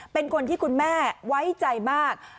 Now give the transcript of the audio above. เป็นคนที่คุณแม่ไว้ใจมาก